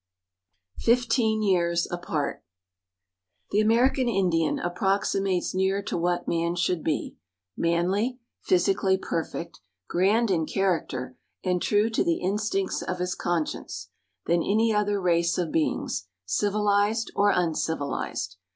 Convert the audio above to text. Fifteen Years Apart. The American Indian approximates nearer to what man should be manly, physically perfect, grand in character, and true to the instincts of his conscience than any other race of beings, civilized or uncivilized.